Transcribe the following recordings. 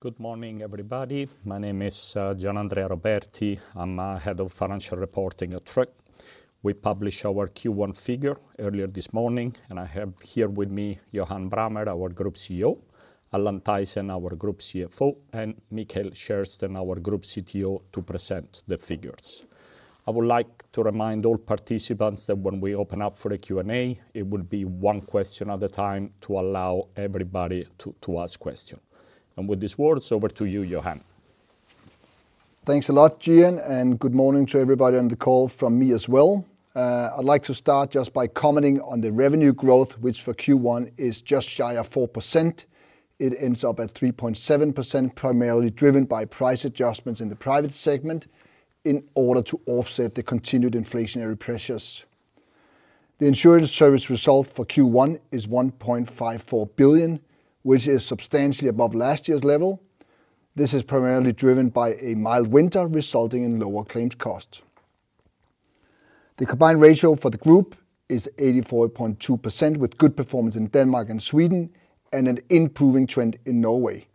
Good morning, everybody. My name is Gianandrea Roberti. I'm Head of Financial Reporting at Tryg. We published our Q1 figure earlier this morning, and I have here with me Johan Brammer, our Group CEO, Allan Thaysen, our Group CFO, and Mikael Kärrsten, our Group CTO, to present the figures. I would like to remind all participants that when we open up for a Q&A, it will be one question at a time to allow everybody to ask questions. With these words, over to you, Johan. Thanks a lot, Gian, and good morning to everybody on the call from me as well. I'd like to start just by commenting on the revenue growth, which for Q1 is just shy of 4%. It ends up at 3.7%, primarily driven by price adjustments in the Private segment in order to offset the continued inflationary pressures. The insurance service result for Q1 is 1.54 billion, which is substantially above last year's level. This is primarily driven by a mild winter resulting in lower claims costs. The combined ratio for the group is 84.2%, with good performance in Denmark and Sweden and an improving trend in Norway.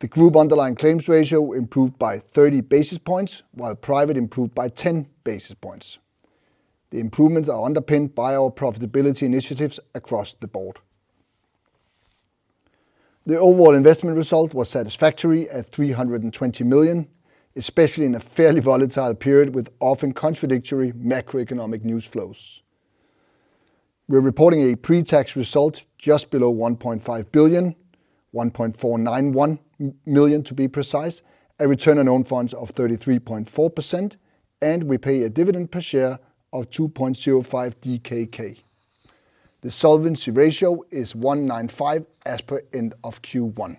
The group underlying claims ratio improved by 30 basis points, while private improved by 10 basis points. The improvements are underpinned by our profitability initiatives across the board. The overall investment result was satisfactory at 320 million, especially in a fairly volatile period with often contradictory macroeconomic news flows. We're reporting a pre-tax result just below 1.5 billion, 1.491 billion to be precise, a return on own funds of 33.4%, and we pay a dividend per share of 2.05 DKK. The solvency ratio is 195% as per end of Q1.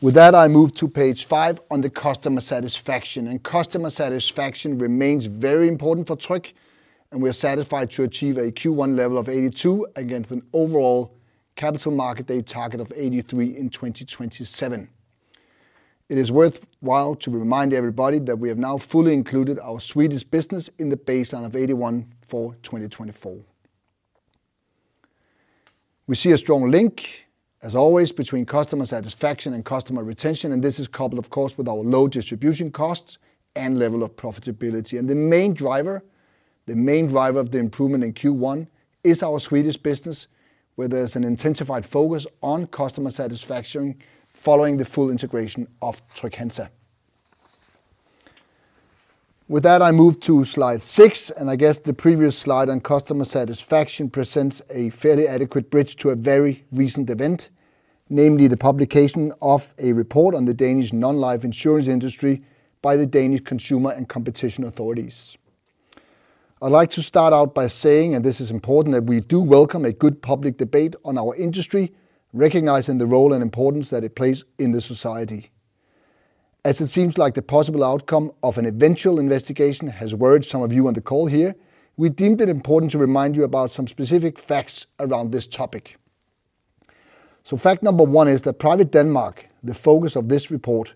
With that, I move to page five on the customer satisfaction. Customer satisfaction remains very important for Tryg, and we are satisfied to achieve a Q1 level of 82 against an overall Capital Markets Day target of 83 in 2027. It is worthwhile to remind everybody that we have now fully included our Swedish business in the baseline of 81 for 2024. We see a strong link, as always, between customer satisfaction and customer retention, and this is coupled, of course, with our low distribution costs and level of profitability. The main driver, the main driver of the improvement in Q1, is our Swedish business, where there is an intensified focus on customer satisfaction following the full integration of Trygg-Hansa. With that, I move to slide six, and I guess the previous slide on customer satisfaction presents a fairly adequate bridge to a very recent event, namely the publication of a report on the Danish non-life insurance industry by the Danish Consumer and Competition Authority. I'd like to start out by saying, and this is important, that we do welcome a good public debate on our industry, recognizing the role and importance that it plays in the society. As it seems like the possible outcome of an eventual investigation has worried some of you on the call here, we deemed it important to remind you about some specific facts around this topic. Fact number one is that Private Denmark, the focus of this report,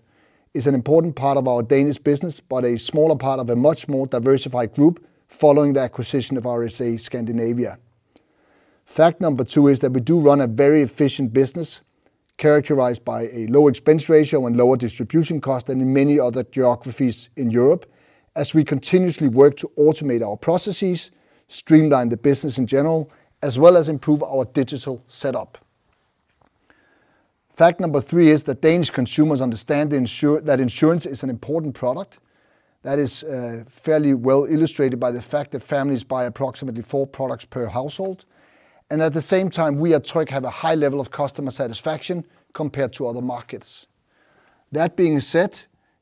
is an important part of our Danish business, but a smaller part of a much more diversified group following the acquisition of RSA Scandinavia. Fact number two is that we do run a very efficient business characterized by a low expense ratio and lower distribution cost than in many other geographies in Europe, as we continuously work to automate our processes, streamline the business in general, as well as improve our digital setup. Fact number three is that Danish consumers understand that insurance is an important product. That is fairly well illustrated by the fact that families buy approximately four products per household. At the same time, we at Tryg have a high level of customer satisfaction compared to other markets. That being said,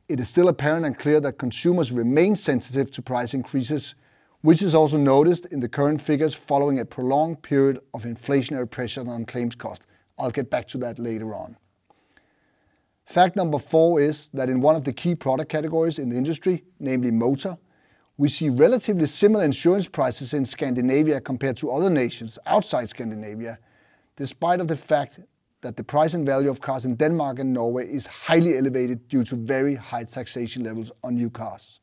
it is still apparent and clear that consumers remain sensitive to price increases, which is also noticed in the current figures following a prolonged period of inflationary pressure on claims costs. I'll get back to that later on. Fact number four is that in one of the key product categories in the industry, namely motor, we see relatively similar insurance prices in Scandinavia compared to other nations outside Scandinavia, despite the fact that the price and value of cars in Denmark and Norway is highly elevated due to very high taxation levels on new cars.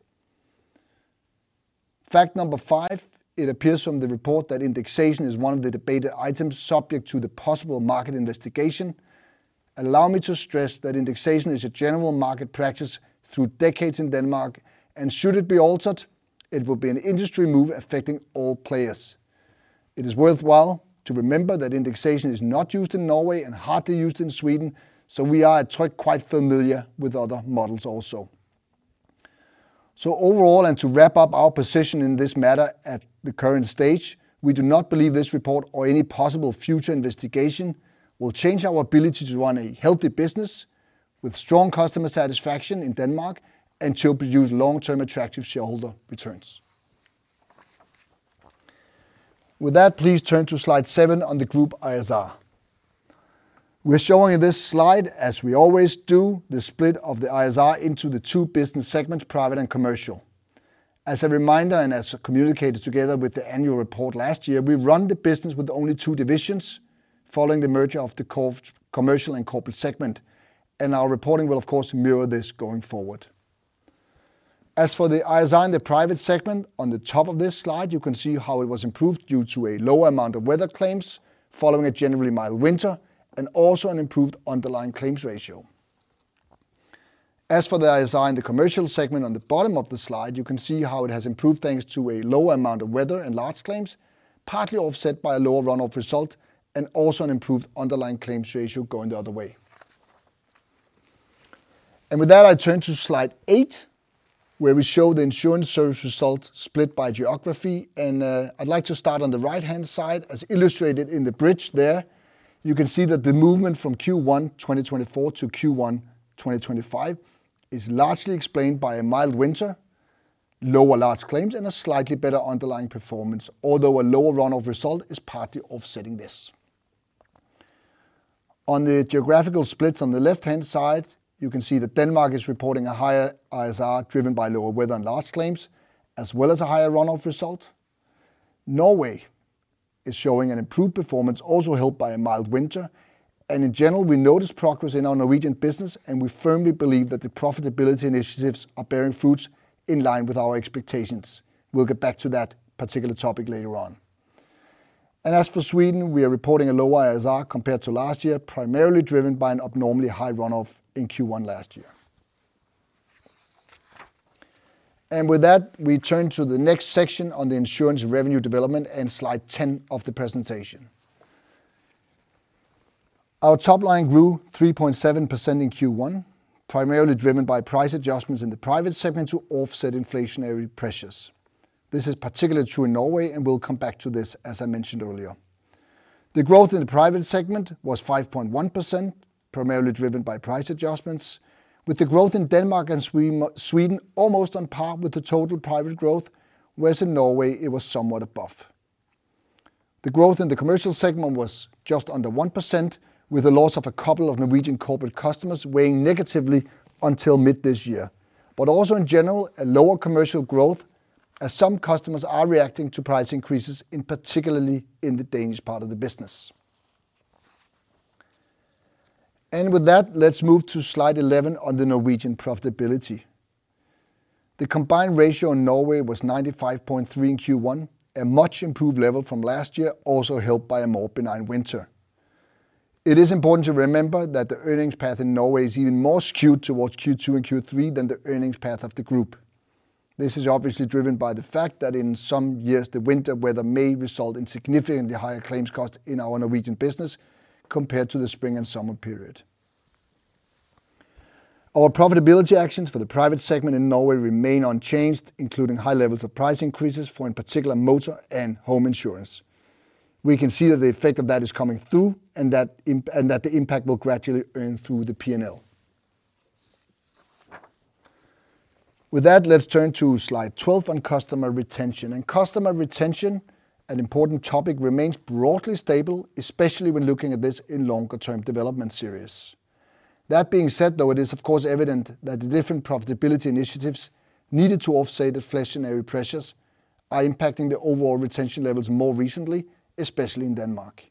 Fact number five, it appears from the report that indexation is one of the debated items subject to the possible market investigation. Allow me to stress that indexation is a general market practice through decades in Denmark, and should it be altered, it will be an industry move affecting all players. It is worthwhile to remember that indexation is not used in Norway and hardly used in Sweden, so we are at Tryg quite familiar with other models also. Overall, and to wrap up our position in this matter at the current stage, we do not believe this report or any possible future investigation will change our ability to run a healthy business with strong customer satisfaction in Denmark and to produce long-term attractive shareholder returns. With that, please turn to slide seven on the group ISR. We are showing in this slide, as we always do, the split of the ISR into the two business segments, private and commercial. As a reminder and as communicated together with the annual report last year, we run the business with only two divisions following the merger of the commercial and corporate segment, and our reporting will, of course, mirror this going forward. As for the ISR in the private segment, on the top of this slide, you can see how it was improved due to a lower amount of weather claims following a generally mild winter and also an improved underlying claims ratio. As for the ISR in the Commercial segment, on the bottom of the slide, you can see how it has improved thanks to a lower amount of weather and large claims, partly offset by a lower runoff result and also an improved underlying claims ratio going the other way. With that, I turn to slide eight, where we show the insurance service result split by geography, and I'd like to start on the right-hand side. As illustrated in the bridge there, you can see that the movement from Q1 2024 to Q1 2025 is largely explained by a mild winter, lower large claims, and a slightly better underlying performance, although a lower runoff result is partly offsetting this. On the geographical splits on the left-hand side, you can see that Denmark is reporting a higher ISR driven by lower weather and large claims, as well as a higher runoff result. Norway is showing an improved performance, also helped by a mild winter, and in general, we notice progress in our Norwegian business, and we firmly believe that the profitability initiatives are bearing fruits in line with our expectations. We'll get back to that particular topic later on. As for Sweden, we are reporting a lower ISR compared to last year, primarily driven by an abnormally high runoff in Q1 last year. With that, we turn to the next section on the insurance revenue development and slide 10 of the presentation. Our top line grew 3.7% in Q1, primarily driven by price adjustments in the private segment to offset inflationary pressures. This is particularly true in Norway, and we will come back to this, as I mentioned earlier. The growth in the private segment was 5.1%, primarily driven by price adjustments, with the growth in Denmark and Sweden almost on par with the total private growth, whereas in Norway it was somewhat above. The growth in the commercial segment was just under 1%, with the loss of a couple of Norwegian corporate customers weighing negatively until mid this year, but also in general, a lower commercial growth as some customers are reacting to price increases, particularly in the Danish part of the business. With that, let's move to slide 11 on the Norwegian profitability. The combined ratio in Norway was 95.3% in Q1, a much improved level from last year, also helped by a more benign winter. It is important to remember that the earnings path in Norway is even more skewed towards Q2 and Q3 than the earnings path of the group. This is obviously driven by the fact that in some years, the winter weather may result in significantly higher claims costs in our Norwegian business compared to the spring and summer period. Our profitability actions for the private segment in Norway remain unchanged, including high levels of price increases for, in particular, motor and home insurance. We can see that the effect of that is coming through and that the impact will gradually earn through the P&L. With that, let's turn to slide 12 on customer retention. Customer retention, an important topic, remains broadly stable, especially when looking at this in longer-term development series. That being said, though, it is, of course, evident that the different profitability initiatives needed to offset inflationary pressures are impacting the overall retention levels more recently, especially in Denmark.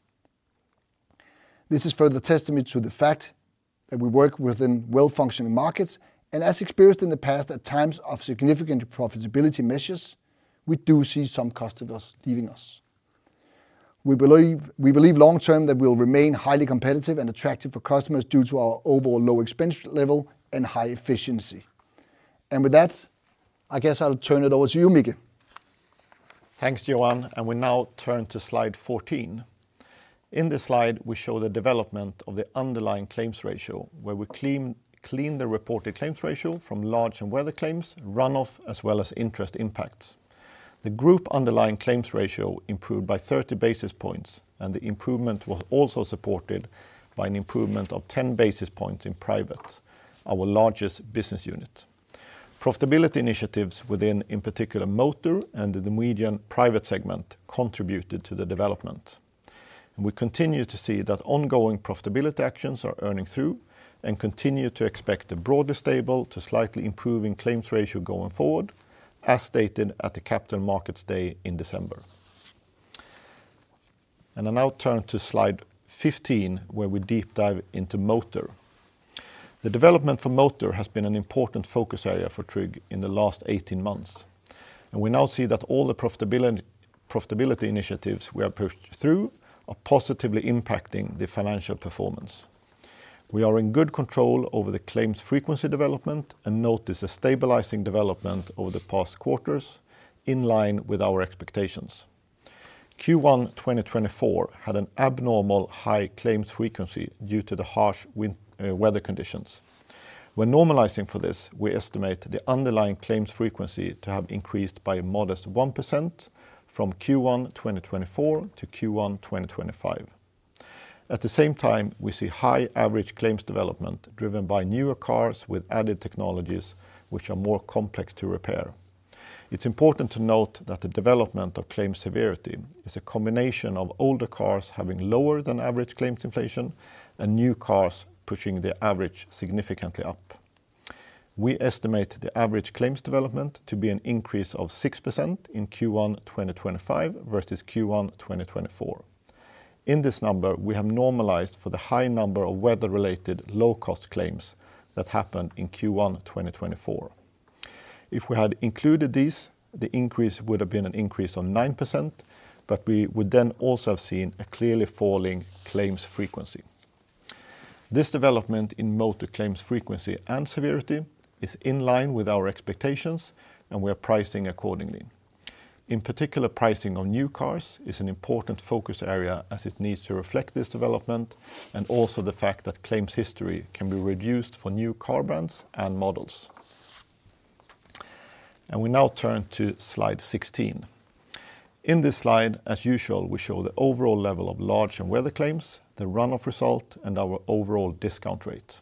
This is further testament to the fact that we work within well-functioning markets, and as experienced in the past, at times of significant profitability measures, we do see some customers leaving us. We believe long-term that we'll remain highly competitive and attractive for customers due to our overall low expense level and high efficiency. With that, I guess I'll turn it over to you, Mikael. Thanks, Johan. We now turn to slide 14. In this slide, we show the development of the underlying claims ratio, where we clean the reported claims ratio from large and weather claims, runoff, as well as interest impacts. The group underlying claims ratio improved by 30 basis points, and the improvement was also supported by an improvement of 10 basis points in private, our largest business unit. Profitability initiatives within, in particular, motor and the Norwegian private segment contributed to the development. We continue to see that ongoing profitability actions are earning through and continue to expect a broadly stable to slightly improving claims ratio going forward, as stated at the capital markets day in December. I now turn to slide 15, where we deep dive into motor. The development for motor has been an important focus area for Tryg in the last 18 months. We now see that all the profitability initiatives we have pushed through are positively impacting the financial performance. We are in good control over the claims frequency development and notice a stabilizing development over the past quarters in line with our expectations. Q1 2024 had an abnormally high claims frequency due to the harsh weather conditions. When normalizing for this, we estimate the underlying claims frequency to have increased by a modest 1% from Q1 2024 to Q1 2025. At the same time, we see high average claims development driven by newer cars with added technologies, which are more complex to repair. It's important to note that the development of claims severity is a combination of older cars having lower than average claims inflation and new cars pushing the average significantly up. We estimate the average claims development to be an increase of 6% in Q1 2025 versus Q1 2024. In this number, we have normalized for the high number of weather-related low-cost claims that happened in Q1 2024. If we had included these, the increase would have been an increase of 9%, but we would then also have seen a clearly falling claims frequency. This development in motor claims frequency and severity is in line with our expectations, and we are pricing accordingly. In particular, pricing on new cars is an important focus area as it needs to reflect this development and also the fact that claims history can be reduced for new car brands and models. We now turn to slide 16. In this slide, as usual, we show the overall level of large and weather claims, the runoff result, and our overall discount rate.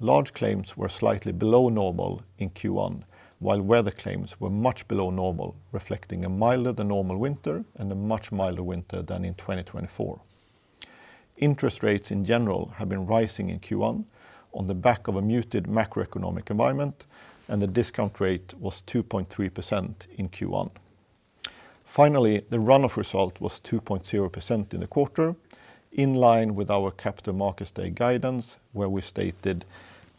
Large claims were slightly below normal in Q1, while weather claims were much below normal, reflecting a milder than normal winter and a much milder winter than in 2023. Interest rates in general have been rising in Q1 on the back of a muted macroeconomic environment, and the discount rate was 2.3% in Q1. Finally, the runoff result was 2.0% in the quarter, in line with our capital markets day guidance, where we stated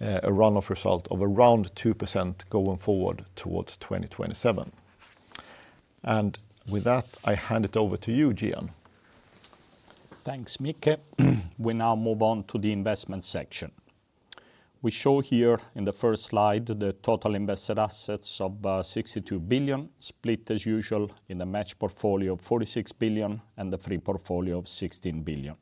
a runoff result of around 2% going forward towards 2027. With that, I hand it over to you, Gian. Thanks, Mika. We now move on to the investment section. We show here in the first slide the total invested assets of 62 billion, split as usual in the match portfolio of 46 billion and the free portfolio of 16 billion.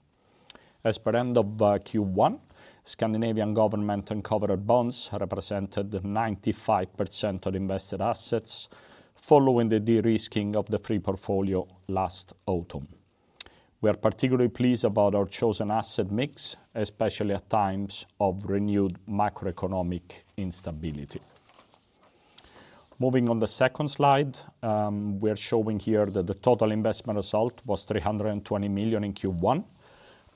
As per end of Q1, Scandinavian government and covered bonds represented 95% of invested assets following the de-risking of the free portfolio last autumn. We are particularly pleased about our chosen asset mix, especially at times of renewed macroeconomic instability. Moving on the second slide, we are showing here that the total investment result was 320 million in Q1,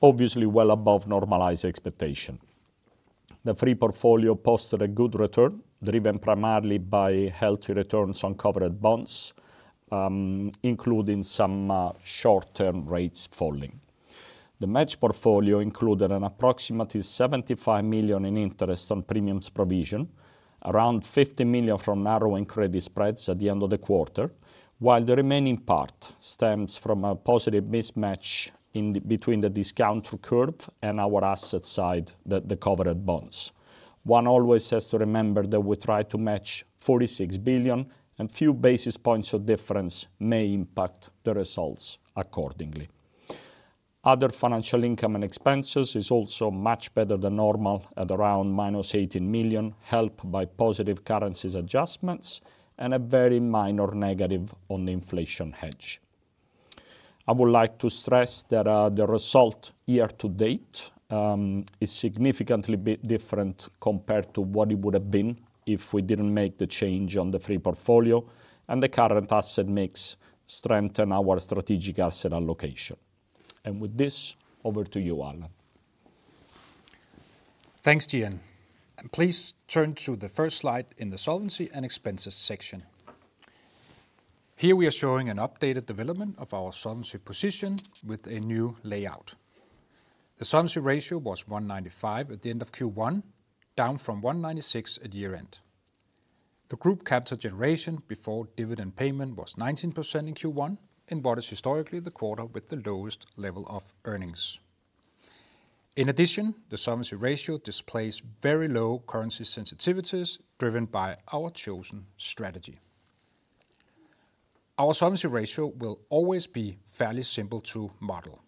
obviously well above normalized expectation. The free portfolio posted a good return driven primarily by healthy returns on covered bonds, including some short-term rates falling. The match portfolio included an approximately 75 million in interest on premiums provision, around 50 million from narrowing credit spreads at the end of the quarter, while the remaining part stems from a positive mismatch between the discount curve and our asset side, the covered bonds. One always has to remember that we try to match 46 billion, and few basis points of difference may impact the results accordingly. Other financial income and expenses is also much better than normal at around minus 18 million, helped by positive currency adjustments and a very minor negative on the inflation hedge. I would like to stress that the result year to date is significantly different compared to what it would have been if we did not make the change on the free portfolio and the current asset mix strengthen our strategic asset allocation. With this, over to you, Allan. Thanks, Gian. Please turn to the first slide in the solvency and expenses section. Here we are showing an updated development of our solvency position with a new layout. The solvency ratio was 195% at the end of Q1, down from 196% at year-end. The group capital generation before dividend payment was 19% in Q1 in what is historically the quarter with the lowest level of earnings. In addition, the solvency ratio displays very low currency sensitivities driven by our chosen strategy. Our solvency ratio will always be fairly simple to model.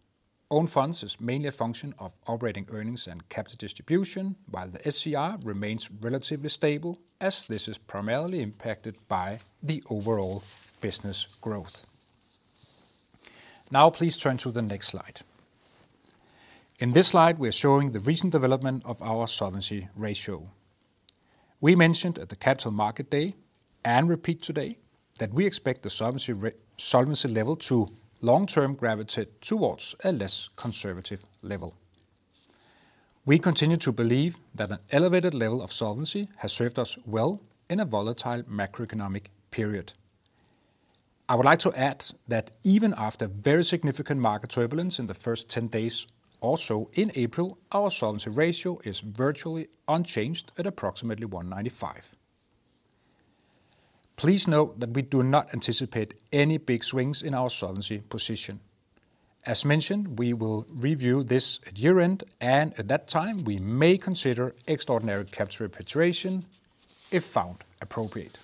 Own funds is mainly a function of operating earnings and capital distribution, while the SCR remains relatively stable as this is primarily impacted by the overall business growth. Now, please turn to the next slide. In this slide, we are showing the recent development of our solvency ratio. We mentioned at the capital market day and repeat today that we expect the solvency level to long-term gravitate towards a less conservative level. We continue to believe that an elevated level of solvency has served us well in a volatile macroeconomic period. I would like to add that even after very significant market turbulence in the first 10 days or so in April, our solvency ratio is virtually unchanged at approximately 195%. Please note that we do not anticipate any big swings in our solvency position. As mentioned, we will review this at year-end, and at that time, we may consider extraordinary capital repatriation if found appropriate.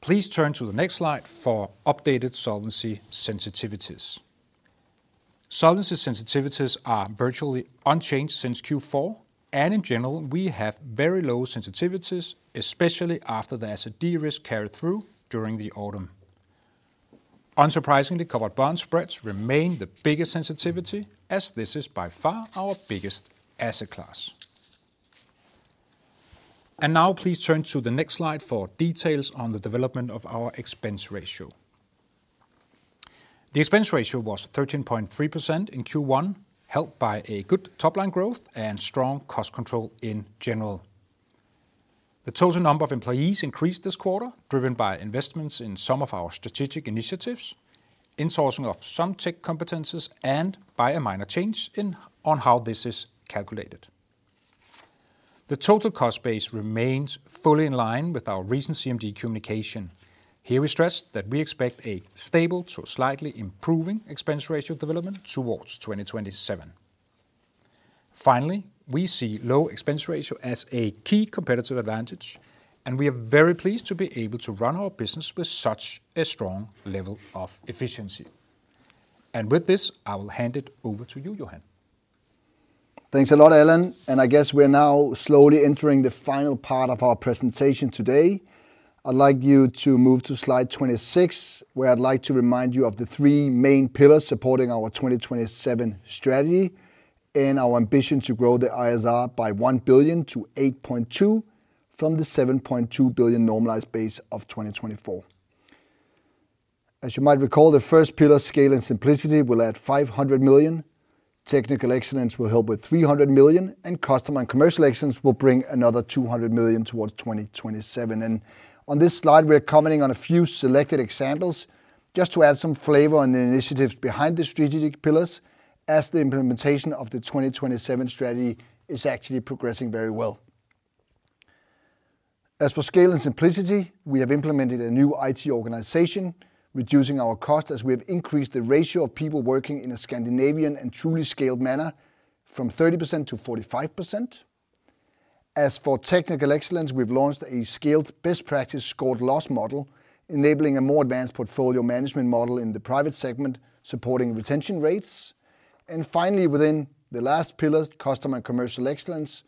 Please turn to the next slide for updated solvency sensitivities. Solvency sensitivities are virtually unchanged since Q4, and in general, we have very low sensitivities, especially after the asset de-risk carried through during the autumn. Unsurprisingly, covered bond spreads remain the biggest sensitivity as this is by far our biggest asset class. Please turn to the next slide for details on the development of our expense ratio. The expense ratio was 13.3% in Q1, helped by good top-line growth and strong cost control in general. The total number of employees increased this quarter, driven by investments in some of our strategic initiatives, insourcing of some tech competencies, and by a minor change in how this is calculated. The total cost base remains fully in line with our recent CMD communication. Here we stress that we expect a stable to slightly improving expense ratio development towards 2027. Finally, we see low expense ratio as a key competitive advantage, and we are very pleased to be able to run our business with such a strong level of efficiency. With this, I will hand it over to you, Johan. Thanks a lot, Allan. I guess we are now slowly entering the final part of our presentation today. I'd like you to move to slide 26, where I'd like to remind you of the three main pillars supporting our 2027 strategy and our ambition to grow the ISR by 1 billion to 8.2 billion from the 7.2 billion normalized base of 2024. As you might recall, the first pillar, scale and simplicity, will add 500 million. Technical excellence will help with 300 million, and customer and commercial excellence will bring another 200 million towards 2027. On this slide, we're commenting on a few selected examples just to add some flavor on the initiatives behind the strategic pillars as the implementation of the 2027 strategy is actually progressing very well. As for scale and simplicity, we have implemented a new IT organization, reducing our costs as we have increased the ratio of people working in a Scandinavian and truly scaled manner from 30% to 45%. As for technical excellence, we've launched a scaled best practice scored loss model, enabling a more advanced portfolio management model in the private segment supporting retention rates. Finally, within the last pillar, customer and commercial excellence,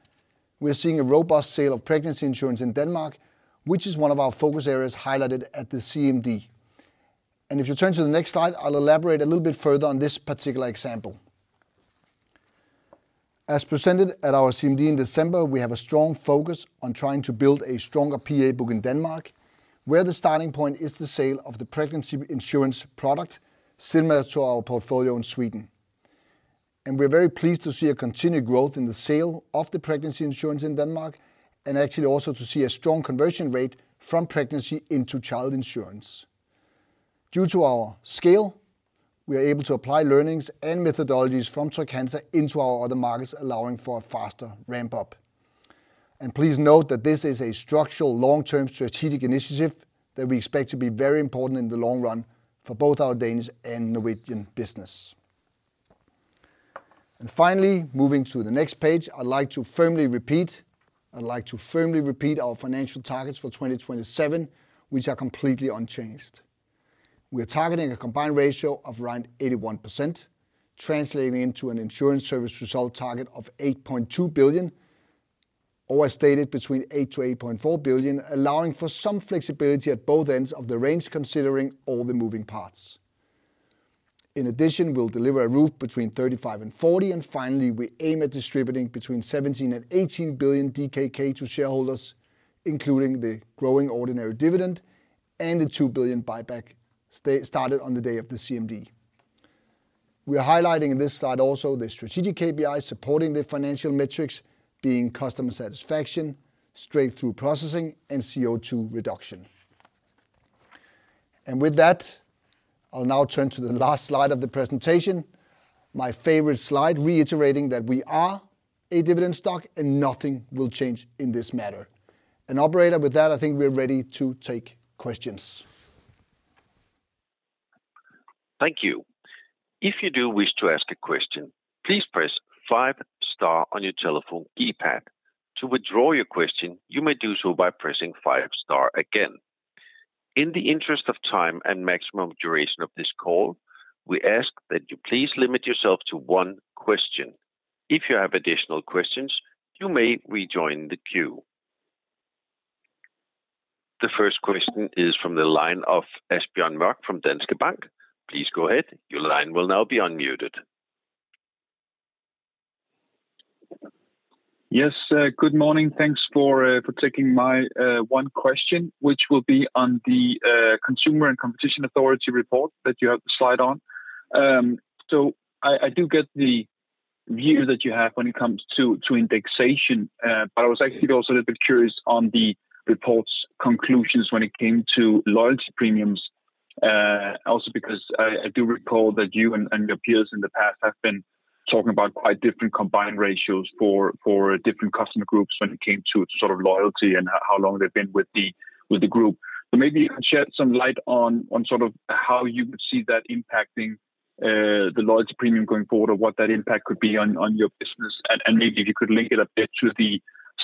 we're seeing a robust sale of pregnancy insurance in Denmark, which is one of our focus areas highlighted at the CMD. If you turn to the next slide, I'll elaborate a little bit further on this particular example. As presented at our CMD in December, we have a strong focus on trying to build a stronger PA book in Denmark, where the starting point is the sale of the pregnancy insurance product similar to our portfolio in Sweden. We are very pleased to see a continued growth in the sale of the pregnancy insurance in Denmark and actually also to see a strong conversion rate from pregnancy into child insurance. Due to our scale, we are able to apply learnings and methodologies from Trygg-Hansa into our other markets, allowing for a faster ramp-up. Please note that this is a structural long-term strategic initiative that we expect to be very important in the long run for both our Danish and Norwegian business. Finally, moving to the next page, I'd like to firmly repeat our financial targets for 2027, which are completely unchanged. We are targeting a combined ratio of around 81%, translating into an insurance service result target of 8.2 billion, or as stated, between 8 billion and 8.4 billion, allowing for some flexibility at both ends of the range, considering all the moving parts. In addition, we will deliver a ROE between 35% and 40%, and finally, we aim at distributing between 17 billion and 18 billion DKK to shareholders, including the growing ordinary dividend and the 2 billion buyback started on the day of the CMD. We are highlighting in this slide also the strategic KPIs supporting the financial metrics being customer satisfaction, straight-through processing, and CO2 reduction. With that, I will now turn to the last slide of the presentation, my favorite slide, reiterating that we are a dividend stock and nothing will change in this matter. Operator, with that, I think we are ready to take questions. Thank you. If you do wish to ask a question, please press five-star on your telephone keypad. To withdraw your question, you may do so by pressing five-star again. In the interest of time and maximum duration of this call, we ask that you please limit yourself to one question. If you have additional questions, you may rejoin the queue. The first question is from the line of Asbjørn Mørk from Danske Bank. Please go ahead. Your line will now be unmuted. Yes, good morning. Thanks for taking my one question, which will be on the Consumer and Competition Authority report that you have the slide on. I do get the views that you have when it comes to indexation, but I was actually also a little bit curious on the report's conclusions when it came to loyalty premiums, also because I do recall that you and your peers in the past have been talking about quite different combined ratios for different customer groups when it came to sort of loyalty and how long they've been with the group. Maybe you can shed some light on sort of how you would see that impacting the loyalty premium going forward or what that impact could be on your business. If you could link it up there to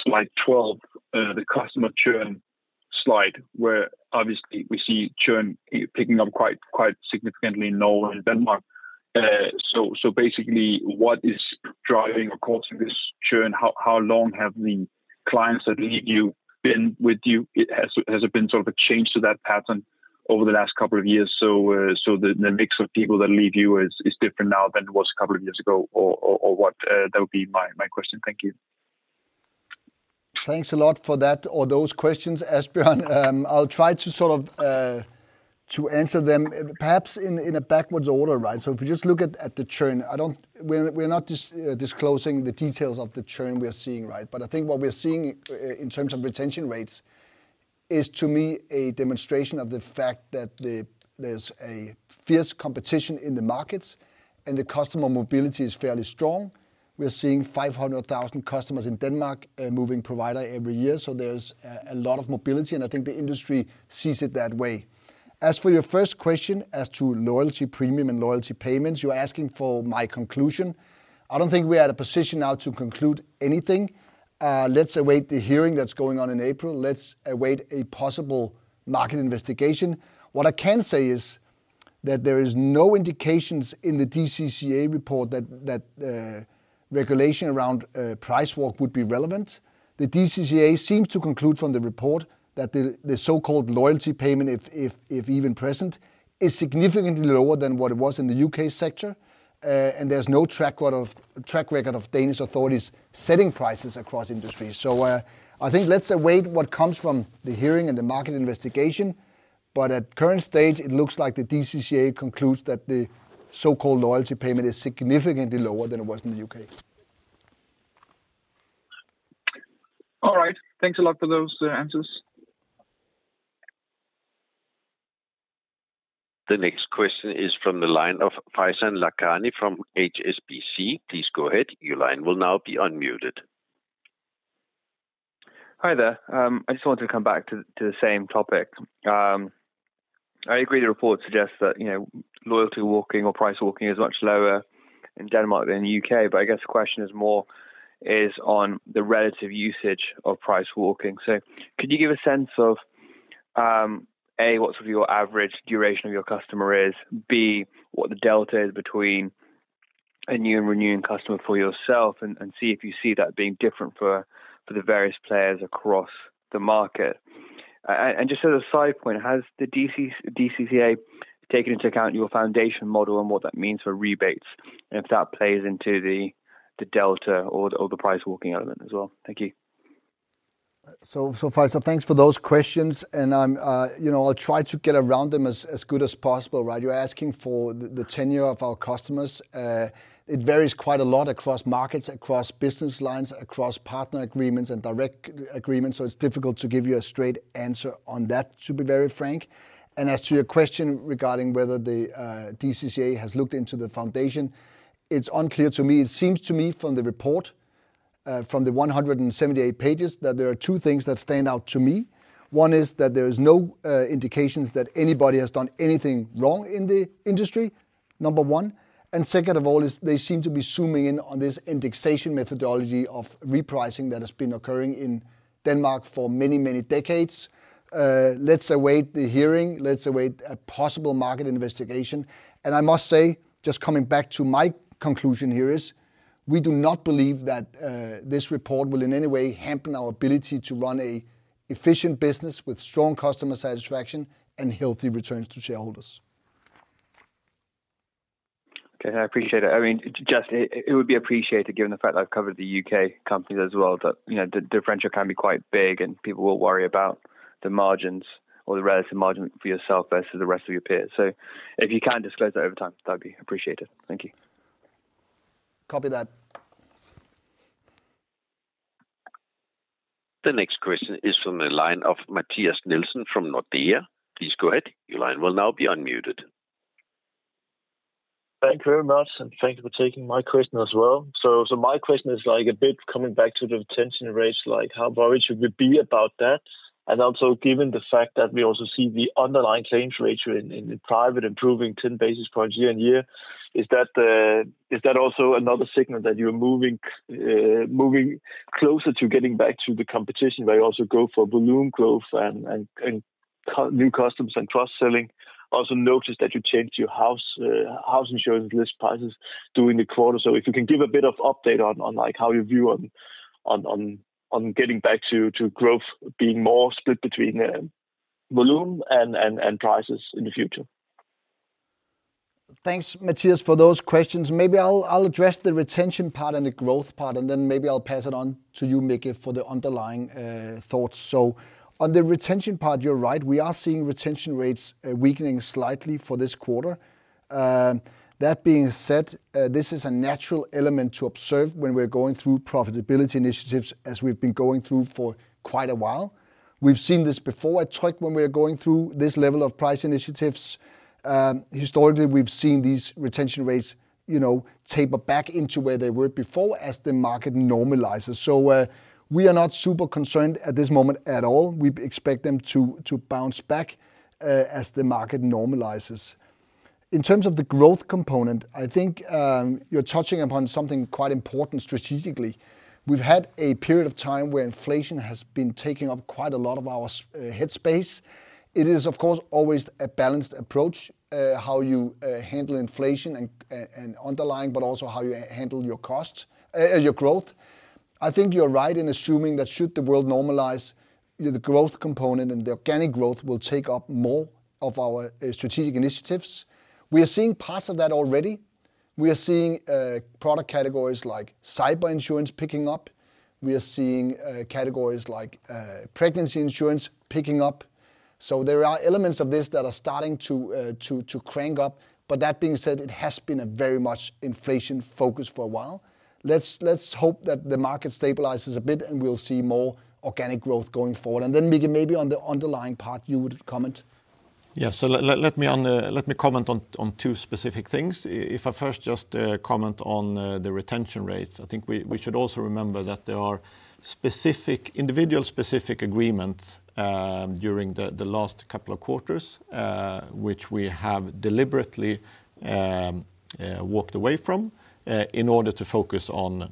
slide 12, the customer churn slide, where obviously we see churn picking up quite significantly in Norway and Denmark. Basically, what is driving or causing this churn? How long have the clients that leave you been with you? Has there been sort of a change to that pattern over the last couple of years? Is the mix of people that leave you different now than it was a couple of years ago, or what? That would be my question. Thank you. Thanks a lot for that or those questions, Asbjørn. I'll try to sort of answer them perhaps in a backwards order, right? If we just look at the churn, we're not disclosing the details of the churn we are seeing, right? I think what we are seeing in terms of retention rates is, to me, a demonstration of the fact that there's a fierce competition in the markets and the customer mobility is fairly strong. We're seeing 500,000 customers in Denmark moving provider every year. There's a lot of mobility, and I think the industry sees it that way. As for your first question as to loyalty premium and loyalty payments, you're asking for my conclusion. I don't think we're at a position now to conclude anything. Let's await the hearing that's going on in April. Let's await a possible market investigation. What I can say is that there are no indications in the DCCA report that regulation around price walk would be relevant. The DCCA seems to conclude from the report that the so-called loyalty payment, if even present, is significantly lower than what it was in the U.K. sector, and there's no track record of Danish authorities setting prices across industries. I think let's await what comes from the hearing and the market investigation. At current stage, it looks like the DCCA concludes that the so-called loyalty payment is significantly lower than it was in the U.K. All right. Thanks a lot for those answers. The next question is from the line of Faizan Lakhani from HSBC. Please go ahead. Your line will now be unmuted. Hi there. I just wanted to come back to the same topic. I agree the report suggests that loyalty walking or price walking is much lower in Denmark than in the U.K., but I guess the question is more on the relative usage of price walking. Could you give a sense of, A, what sort of your average duration of your customer is, B, what the delta is between a new and renewing customer for yourself, and C, if you see that being different for the various players across the market? Just as a side point, has the DCCA taken into account your foundation model and what that means for rebates and if that plays into the delta or the price walking element as well? Thank you. Faizan, thanks for those questions. I'll try to get around them as good as possible, right? You're asking for the tenure of our customers. It varies quite a lot across markets, across business lines, across partner agreements and direct agreements, so it's difficult to give you a straight answer on that, to be very frank. As to your question regarding whether the DCCA has looked into the foundation, it's unclear to me. It seems to me from the report, from the 178 pages, that there are two things that stand out to me. One is that there are no indications that anybody has done anything wrong in the industry, number one. Second of all, they seem to be zooming in on this indexation methodology of repricing that has been occurring in Denmark for many, many decades. Let's await the hearing. Let's await a possible market investigation. I must say, just coming back to my conclusion here is we do not believe that this report will in any way hamper our ability to run an efficient business with strong customer satisfaction and healthy returns to shareholders. Okay, I appreciate it. I mean, just it would be appreciated given the fact I've covered the U.K. companies as well, that the differential can be quite big and people will worry about the margins or the relative margin for yourself versus the rest of your peers. If you can disclose that over time, that would be appreciated. Thank you. Copy that. The next question is from the line of Mathias Nielsen from Nordea. Please go ahead. Your line will now be unmuted. Thank you very much, and thank you for taking my question as well. My question is like a bit coming back to the retention rate, like how worried should we be about that? Also, given the fact that we also see the underlying claims ratio in the private improving 10 basis points year on year, is that also another signal that you're moving closer to getting back to the competition where you also go for balloon growth and new customers and cross-selling? I also notice that you changed your house insurance list prices during the quarter. If you can give a bit of update on how you view on getting back to growth being more split between balloon and prices in the future. Thanks, Mathias, for those questions. Maybe I'll address the retention part and the growth part, and then maybe I'll pass it on to you, Mikael, for the underlying thoughts. On the retention part, you're right. We are seeing retention rates weakening slightly for this quarter. That being said, this is a natural element to observe when we're going through profitability initiatives as we've been going through for quite a while. We've seen this before at Tryg when we were going through this level of price initiatives. Historically, we've seen these retention rates taper back into where they were before as the market normalizes. We are not super concerned at this moment at all. We expect them to bounce back as the market normalizes. In terms of the growth component, I think you're touching upon something quite important strategically. We've had a period of time where inflation has been taking up quite a lot of our headspace. It is, of course, always a balanced approach how you handle inflation and underlying, but also how you handle your growth. I think you're right in assuming that should the world normalize, the growth component and the organic growth will take up more of our strategic initiatives. We are seeing parts of that already. We are seeing product categories like cyber insurance picking up. We are seeing categories like pregnancy insurance picking up. There are elements of this that are starting to crank up. That being said, it has been very much inflation-focused for a while. Let's hope that the market stabilizes a bit and we'll see more organic growth going forward. Mikke, maybe on the underlying part, you would comment. Yeah, so let me comment on two specific things. If I first just comment on the retention rates, I think we should also remember that there are specific, individual-specific agreements during the last couple of quarters, which we have deliberately walked away from in order to focus on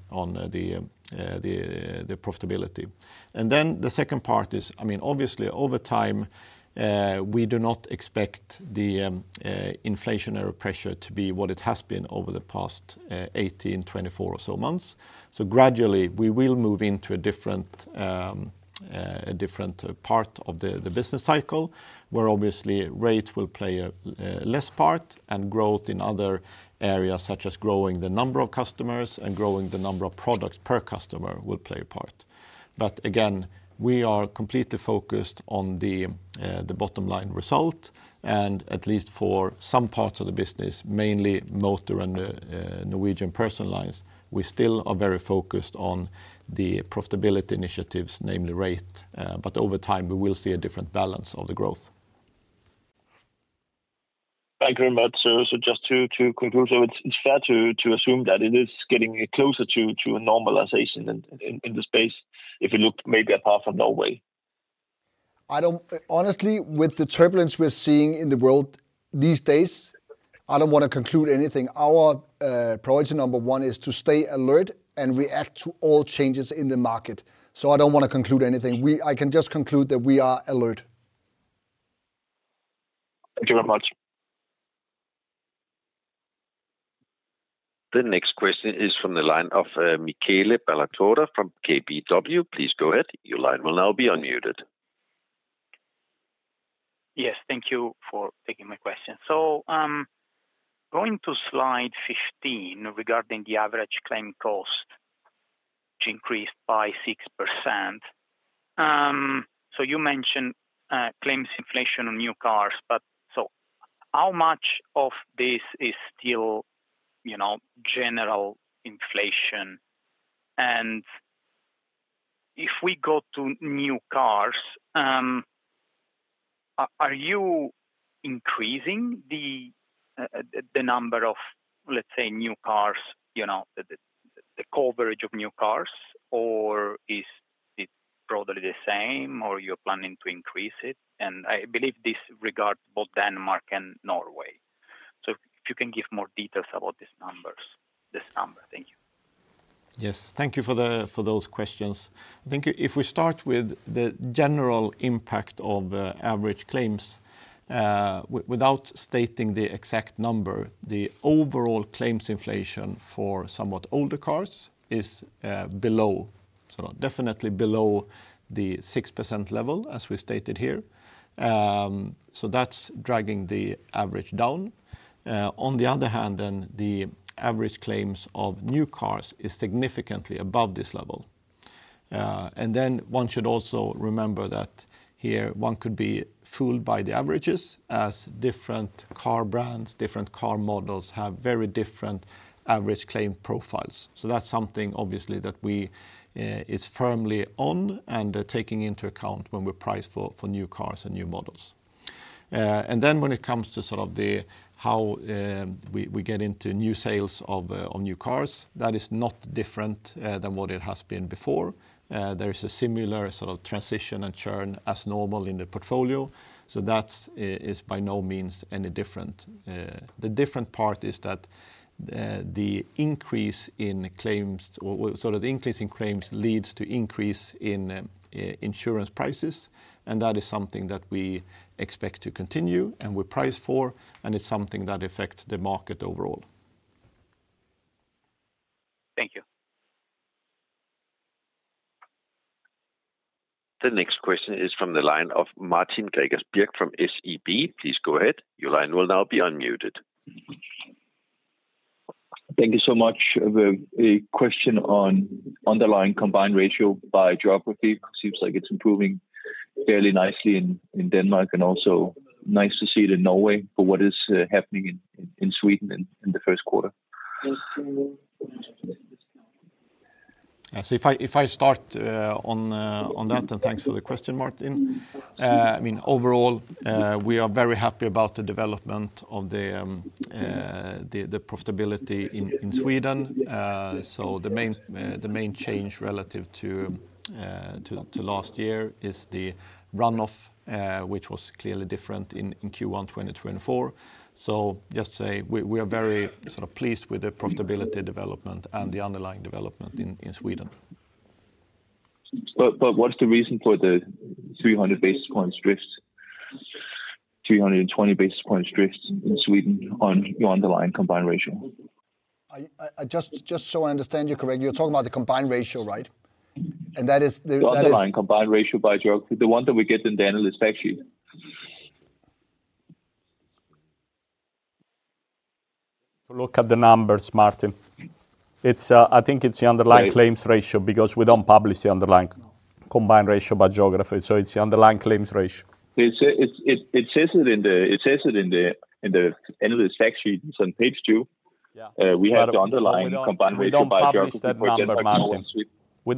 the profitability. The second part is, I mean, obviously, over time, we do not expect the inflationary pressure to be what it has been over the past 18, 24 or so months. Gradually, we will move into a different part of the business cycle where obviously rates will play a less part and growth in other areas such as growing the number of customers and growing the number of products per customer will play a part. Again, we are completely focused on the bottom line result. At least for some parts of the business, mainly motor and Norwegian person lines, we still are very focused on the profitability initiatives, namely rate. Over time, we will see a different balance of the growth. Thank you very much. Just to conclude, it's fair to assume that it is getting closer to a normalization in the space if you look maybe apart from Norway. Honestly, with the turbulence we're seeing in the world these days, I don't want to conclude anything. Our priority number one is to stay alert and react to all changes in the market. I don't want to conclude anything. I can just conclude that we are alert. Thank you very much. The next question is from the line of Michele Ballatore from KBW. Please go ahead. Your line will now be unmuted. Yes, thank you for taking my question. Going to slide 15 regarding the average claim cost, which increased by 6%. You mentioned claims inflation on new cars, but how much of this is still general inflation? If we go to new cars, are you increasing the number of, let's say, new cars, the coverage of new cars, or is it probably the same, or you're planning to increase it? I believe this regards both Denmark and Norway. If you can give more details about these numbers, this number, thank you. Yes, thank you for those questions. I think if we start with the general impact of average claims, without stating the exact number, the overall claims inflation for somewhat older cars is below, sort of definitely below the 6% level, as we stated here. That is dragging the average down. On the other hand, the average claims of new cars is significantly above this level. One should also remember that here one could be fooled by the averages as different car brands, different car models have very different average claim profiles. That is something obviously that we are firmly on and taking into account when we price for new cars and new models. When it comes to how we get into new sales of new cars, that is not different than what it has been before. There is a similar sort of transition and churn as normal in the portfolio. That is by no means any different. The different part is that the increase in claims, sort of the increase in claims leads to increase in insurance prices, and that is something that we expect to continue and we price for, and it's something that affects the market overall. Thank you. The next question is from the line of Martin Gregers Birk from SEB. Please go ahead. Your line will now be unmuted. Thank you so much. A question on underlying combined ratio by geography. Seems like it's improving fairly nicely in Denmark and also nice to see it in Norway for what is happening in Sweden in the first quarter. If I start on that, and thanks for the question, Martin. I mean, overall, we are very happy about the development of the profitability in Sweden. The main change relative to last year is the runoff, which was clearly different in Q1 2024. I just say we are very sort of pleased with the profitability development and the underlying development in Sweden. What is the reason for the 300 basis points drift, 320 basis points drift in Sweden on your underlying combined ratio? Just so I understand you correctly, you're talking about the combined ratio, right? And that is. The underlying combined ratio by geography, the one that we get in the analyst fact sheet. Look at the numbers, Martin. I think it's the underlying claims ratio because we don't publish the underlying combined ratio by geography. So it's the underlying claims ratio. It says it in the analyst fact sheet on page two. We have the underlying combined ratio by geography for Denmark and Sweden. We don't publish that number. Those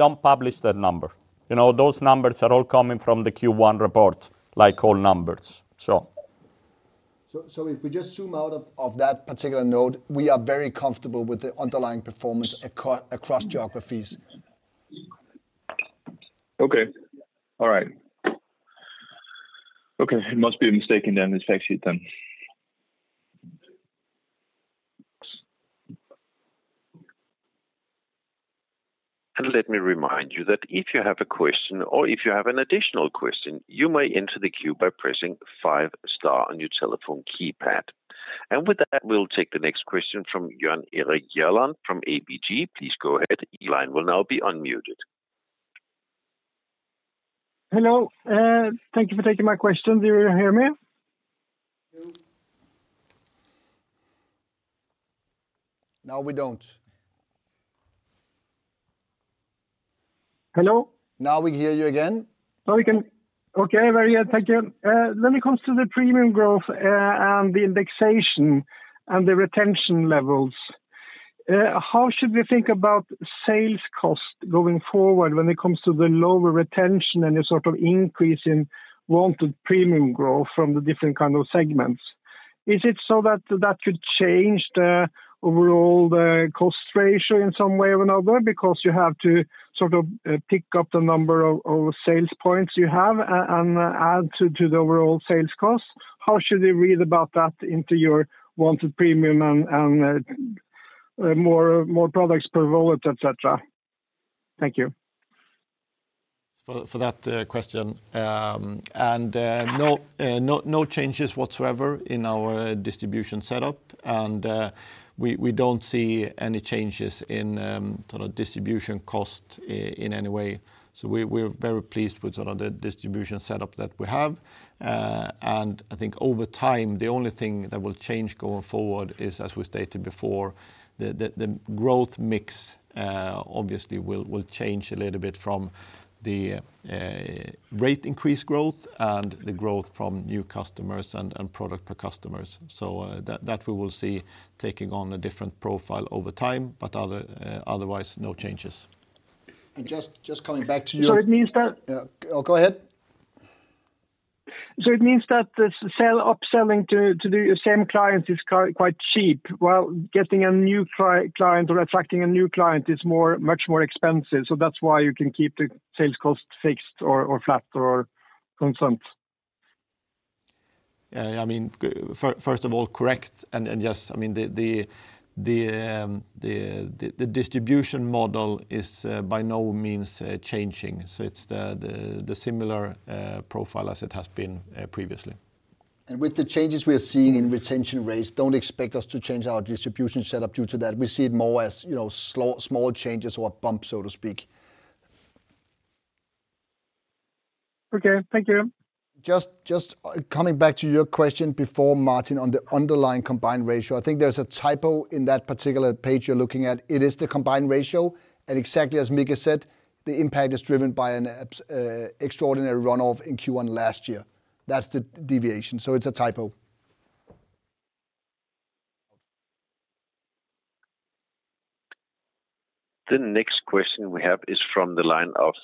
numbers are all coming from the Q1 report, like all numbers. If we just zoom out of that particular note, we are very comfortable with the underlying performance across geographies. Okay. All right. Okay, it must be a mistake in the analyst fact sheet then. Let me remind you that if you have a question or if you have an additional question, you may enter the queue by pressing five star on your telephone keypad. With that, we'll take the next question from Jan Erik Gjerland from ABG. Please go ahead. The line will now be unmuted. Hello. Thank you for taking my question. Do you hear me? No, we don't. Hello? Now we hear you again. Okay, very good. Thank you. When it comes to the premium growth and the indexation and the retention levels, how should we think about sales cost going forward when it comes to the lower retention and the sort of increase in wanted premium growth from the different kind of segments? Is it so that that could change the overall cost ratio in some way or another because you have to sort of pick up the number of sales points you have and add to the overall sales cost? How should we read about that into your wanted premium and more products per volume, etc.? Thank you. For that question. No changes whatsoever in our distribution setup. We do not see any changes in sort of distribution cost in any way. We are very pleased with sort of the distribution setup that we have. I think over time, the only thing that will change going forward is, as we stated before, the growth mix obviously will change a little bit from the rate increase growth and the growth from new customers and product per customers. We will see that taking on a different profile over time, but otherwise no changes. Just coming back to your. It means that. Oh, go ahead. It means that upselling to the same clients is quite cheap. While getting a new client or attracting a new client is much more expensive. That is why you can keep the sales cost fixed or flat or constant. Yeah, I mean, first of all, correct. Yes, I mean, the distribution model is by no means changing. It is the similar profile as it has been previously. With the changes we are seeing in retention rates, do not expect us to change our distribution setup due to that. We see it ore as small changes or bumps, so to speak. Okay, thank you. Just coming back to your question before, Martin, on the underlying combined ratio, I think there's a typo in that particular page you're looking at. It is the combined ratio. Exactly as Mikael said, the impact is driven by an extraordinary runoff in Q1 last year. That's the deviation. It's a typo. The next question we have is from the line of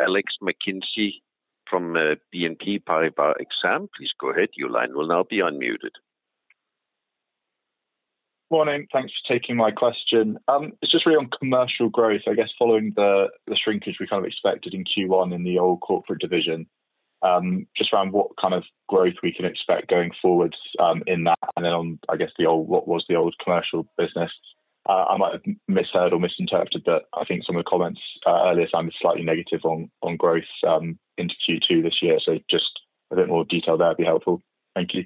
Alex McKenzie from BNP Paribas Exane. Please go ahead. Your line will now be unmuted. Morning. Thanks for taking my question. It's just really on commercial growth, I guess, following the shrinkage we kind of expected in Q1 in the old corporate division, just around what kind of growth we can expect going forwards in that. Then on, I guess, the old, what was the old commercial business? I might have misheard or misinterpreted, but I think some of the comments earlier sounded slightly negative on growth into Q2 this year. Just a bit more detail there would be helpful. Thank you.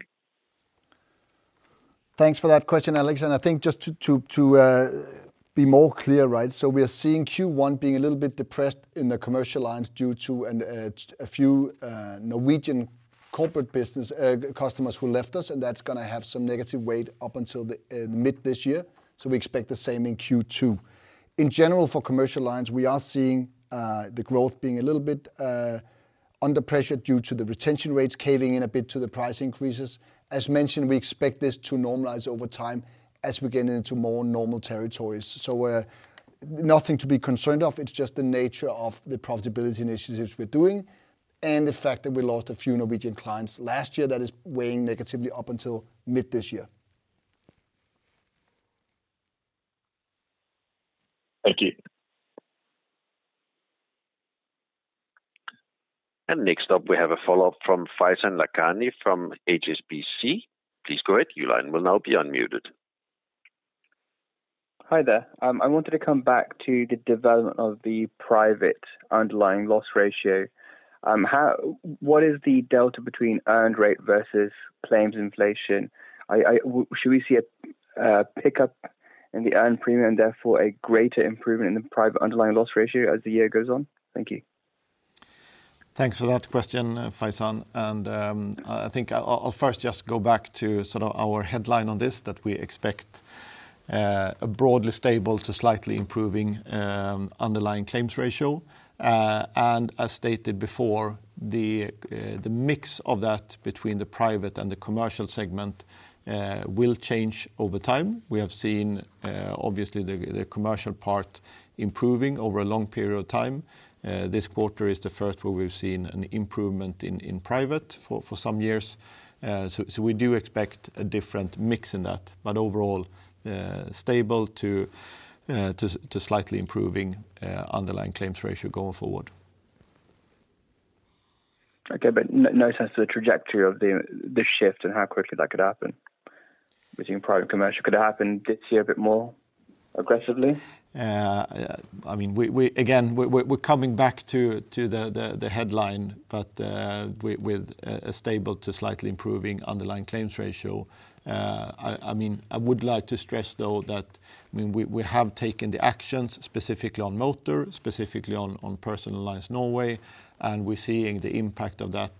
Thanks for that question, Alex. I think just to be more clear, right? We are seeing Q1 being a little bit depressed in the commercial lines due to a few Norwegian corporate business customers who left us, and that's going to have some negative weight up until the mid this year. We expect the same in Q2. In general, for commercial lines, we are seeing the growth being a little bit under pressure due to the retention rates caving in a bit to the price increases. As mentioned, we expect this to normalize over time as we get into more normal territories. Nothing to be concerned of. It's just the nature of the profitability initiatives we're doing and the fact that we lost a few Norwegian clients last year that is weighing negatively up until mid this year. Thank you. Next up, we have a follow-up from Faizan Lakhani from HSBC. Please go ahead. Your line will now be unmuted. Hi there. I wanted to come back to the development of the private underlying loss ratio. What is the delta between earned rate versus claims inflation? Should we see a pickup in the earned premium and therefore a greater improvement in the private underlying loss ratio as the year goes on? Thank you. Thanks for that question, Faizan. I think I'll first just go back to sort of our headline on this, that we expect a broadly stable to slightly improving underlying claims ratio. As stated before, the mix of that between the private and the commercial segment will change over time. We have seen, obviously, the commercial part improving over a long period of time. This quarter is the first where we've seen an improvement in private for some years. We do expect a different mix in that, but overall stable to slightly improving underlying claims ratio going forward. Okay, but no sense of the trajectory of the shift and how quickly that could happen. We're seeing private commercial could happen this year a bit more aggressively. I mean, again, we're coming back to the headline, but with a stable to slightly improving underlying claims ratio. I mean, I would like to stress, though, that we have taken the actions specifically on motor, specifically on personal lines Norway, and we're seeing the impact of that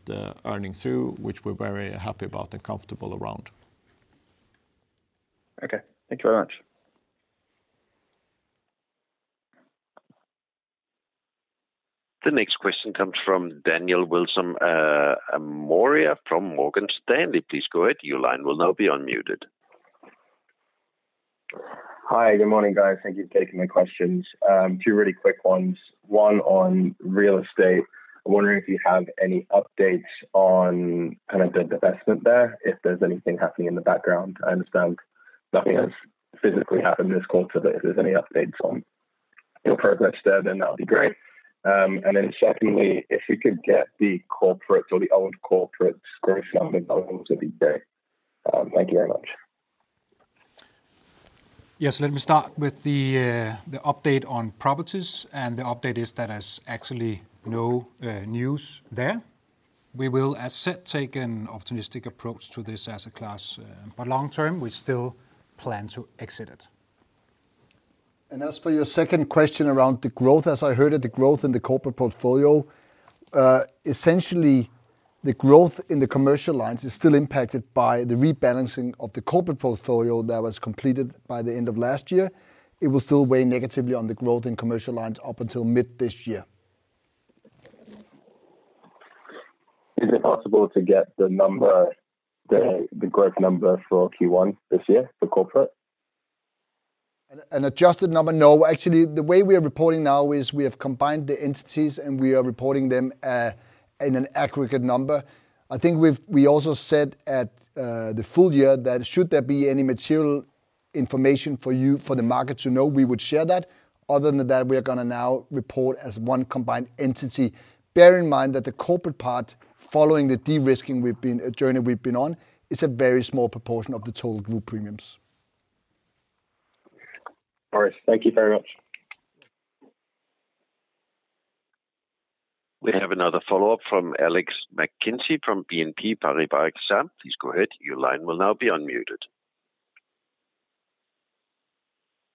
earning through, which we're very happy about and comfortable around. Okay, thank you very much. The next question comes from Daniel Wilson Morea from Morgan Stanley. Please go ahead. Your line will now be unmuted. Hi, good morning, guys. Thank you for taking my questions. Two really quick ones. One on real estate. I'm wondering if you have any updates on kind of the investment there, if there's anything happening in the background. I understand nothing has physically happened this quarter, but if there's any updates on your progress there, that would be great. Secondly, if we could get the corporate or the old corporate's gross numbers out into the data. Thank you very much. Yes, let me start with the update on properties. The update is that there's actually no news there. We will, as said, take an optimistic approach to this asset class, but long term, we still plan to exit it. As for your second question around the growth, as I heard it, the growth in the corporate portfolio, essentially the growth in the commercial lines is still impacted by the rebalancing of the corporate portfolio that was completed by the end of last year. It will still weigh negatively on the growth in commercial lines up until mid this year. Is it possible to get the number, the growth number for Q1 this year for corporate? An adjusted number, no. Actually, the way we are reporting now is we have combined the entities and we are reporting them in an aggregate number. I think we also said at the full year that should there be any material information for you for the market to know, we would share that. Other than that, we are going to now report as one combined entity. Bear in mind that the corporate part, following the de-risking journey we have been on, is a very small proportion of the total group premiums. All right, thank you very much. We have another follow-up from Alex McKinsey from BNP Paribas Exane. Please go ahead. Your line will now be unmuted.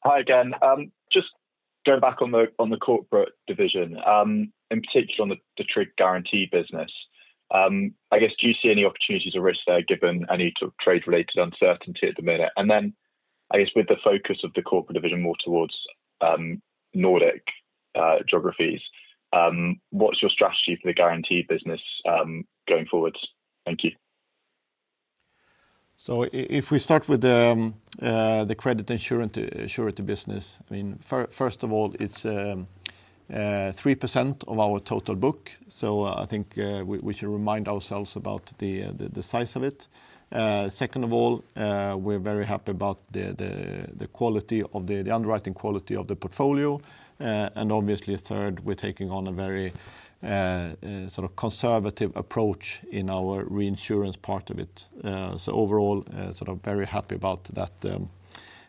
Hi, Dan. Just going back on the corporate division, in particular on the trade guarantee business, I guess, do you see any opportunities or risks there given any trade-related uncertainty at the minute? I guess with the focus of the corporate division more towards Nordic geographies, what's your strategy for the guarantee business going forwards? Thank you. If we start with the credit insurance business, I mean, first of all, it's 3% of our total book. I think we should remind ourselves about the size of it. Second of all, we're very happy about the quality of the underwriting quality of the portfolio. Obviously, third, we're taking on a very sort of conservative approach in our reinsurance part of it. Overall, sort of very happy about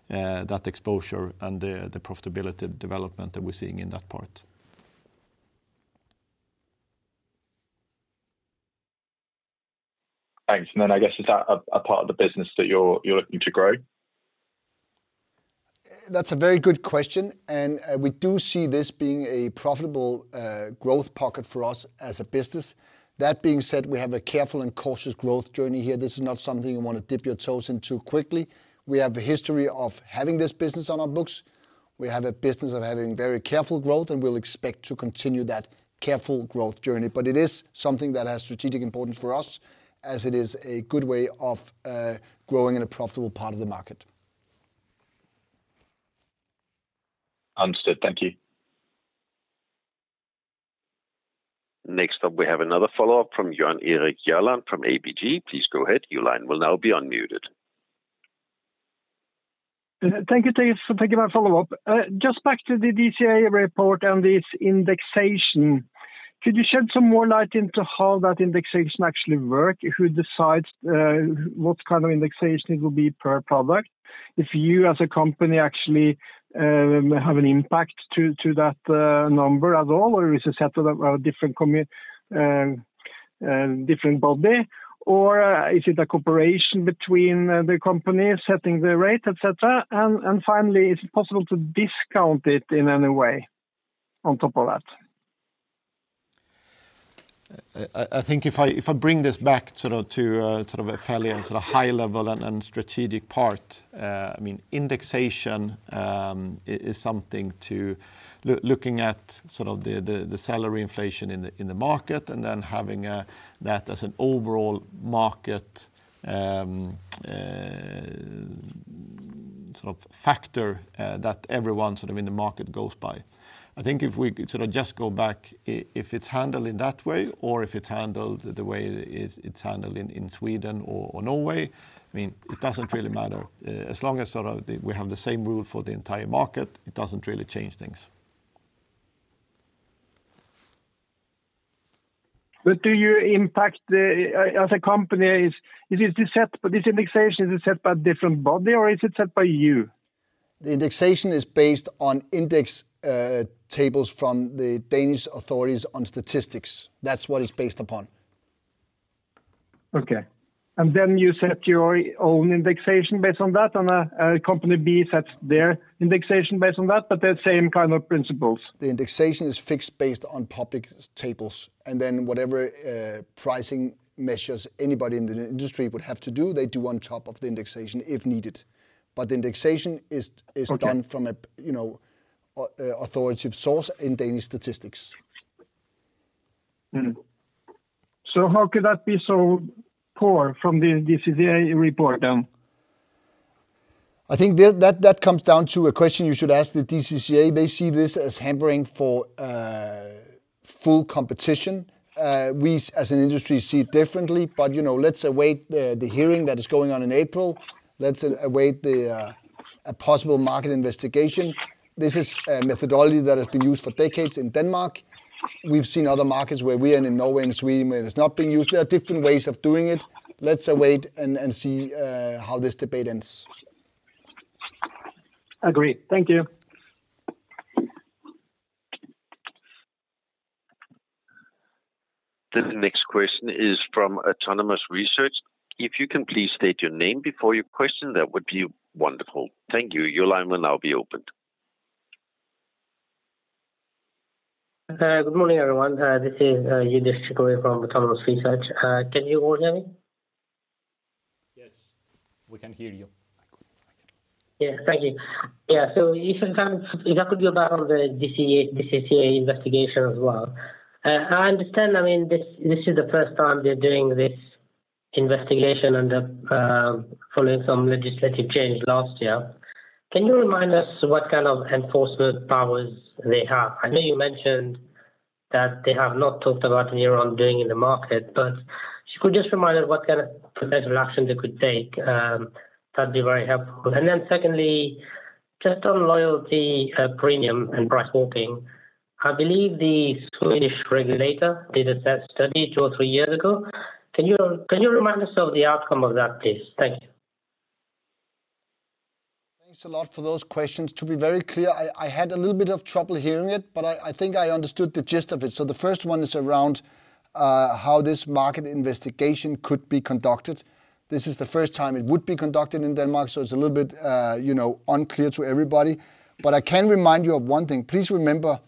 that exposure and the profitability development that we're seeing in that part. Thanks. I guess is that a part of the business that you're looking to grow? That's a very good question. We do see this being a profitable growth pocket for us as a business. That being said, we have a careful and cautious growth journey here. This is not something you want to dip your toes into quickly. We have a history of having this business on our books. We have a business of having very careful growth, and we will expect to continue that careful growth journey. It is something that has strategic importance for us as it is a good way of growing in a profitable part of the market. Understood. Thank you. Next up, we have another follow-up from Jan Erik Gjerland from ABG. Please go ahead. Your line will now be unmuted. Thank you, Dave, for taking my follow-up. Just back to the DCCA report and this indexation. Could you shed some more light into how that indexation actually works? Who decides what kind of indexation it will be per product? If you as a company actually have an impact to that number at all, or is it set by a different body? Is it a cooperation between the companies setting the rate, etc.? Finally, is it possible to discount it in any way on top of that? I think if I bring this back sort of to a fairly sort of high-level and strategic part, I mean, indexation is something to looking at sort of the salary inflation in the market and then having that as an overall market sort of factor that everyone sort of in the market goes by. I think if we sort of just go back, if it's handled in that way or if it's handled the way it's handled in Sweden or Norway, I mean, it doesn't really matter. As long as sort of we have the same rule for the entire market, it doesn't really change things. Do you impact as a company, is this indexation, is it set by a different body, or is it set by you? The indexation is based on index tables from the Danish authorities on statistics. That's what it's based upon. Okay. And then you set your own indexation based on that, and company B sets their indexation based on that, but the same kind of principles? The indexation is fixed based on public tables. Whatever pricing measures anybody in the industry would have to do, they do on top of the indexation if needed. The indexation is done from an authoritative source in Danish statistics. How could that be so poor from the DCCA report then? I think that comes down to a question you should ask the DCCA. They see this as hampering for full competition. We, as an industry, see it differently, but let's await the hearing that is going on in April. Let's await a possible market investigation. This is a methodology that has been used for decades in Denmark. We've seen other markets where we are in Norway and Sweden where it's not being used. There are different ways of doing it. Let's await and see how this debate ends. Agreed. Thank you. The next question is from Autonomous Research. If you can please state your name before your question, that would be wonderful. Thank you. Your line will now be opened. Good morning, everyone. This is Yildiz Zhigulova from Autonomous Research. Can you all hear me? Yes. We can hear you. Yeah, thank you. Yeah, so Yildiz, can you back on the DCCA investigation as well? I understand, I mean, this is the first time they're doing this investigation and following some legislative change last year. Can you remind us what kind of enforcement powers they have? I know you mentioned that they have not talked about in year-round doing in the market, but if you could just remind us what kind of potential action they could take, that'd be very helpful. Secondly, just on loyalty premium and price walking, I believe the Swedish regulator did a sector study two or three years ago. Can you remind us of the outcome of that, please? Thank you. Thanks a lot for those questions. To be very clear, I had a little bit of trouble hearing it, but I think I understood the gist of it. The first one is around how this market investigation could be conducted. This is the first time it would be conducted in Denmark, so it's a little bit unclear to everybody. I can remind you of one thing. Please remember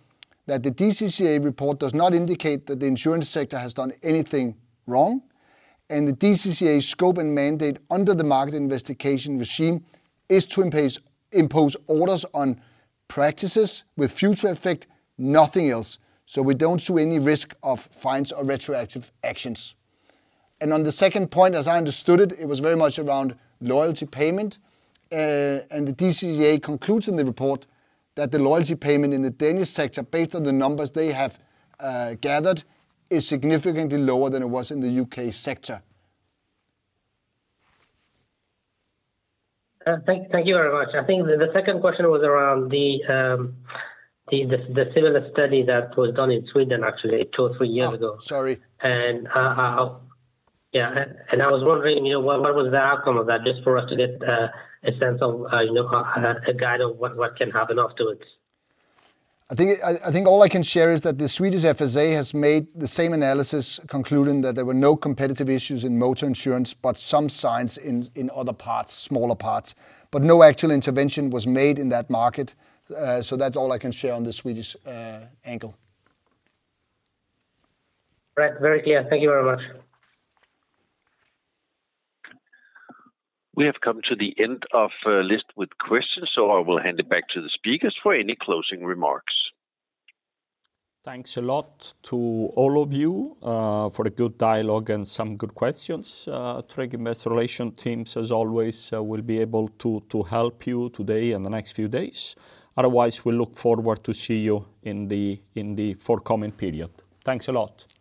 that the DCCA report does not indicate that the insurance sector has done anything wrong. The DCCA scope and mandate under the market investigation regime is to impose orders on practices with future effect, nothing else. We do not see any risk of fines or retroactive actions. On the second point, as I understood it, it was very much around loyalty payment. The DCCA concludes in the report that the loyalty payment in the Danish sector, based on the numbers they have gathered, is significantly lower than it was in the U.K. sector. Thank you very much. I think the second question was around the similar study that was done in Sweden, actually, two or three years ago. Sorry. Yeah, I was wondering, what was the outcome of that, just for us to get a sense of a guide of what can happen afterwards? I think all I can share is that the Swedish FSA has made the same analysis, concluding that there were no competitive issues in motor insurance, but some signs in other parts, smaller parts, but no actual intervention was made in that market. That is all I can share on the Swedish angle. All right, very clear. Thank you very much. We have come to the end of our list with questions, so I will hand it back to the speakers for any closing remarks. Thanks a lot to all of you for the good dialogue and some good questions. Tryg Investor Relations teams, as always, will be able to help you today and the next few days. Otherwise, we look forward to seeing you in the forthcoming period. Thanks a lot.